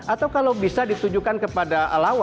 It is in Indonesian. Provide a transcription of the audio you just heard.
atau kalau bisa ditujukan kepada para pendukung